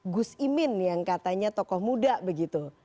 gus imin yang katanya tokoh muda begitu